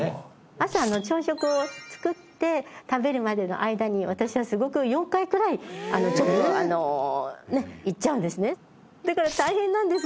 朝の朝食を作って食べるまでの間に私はすごく４回くらいあのちょっとねっ行っちゃうんですねだから大変なんです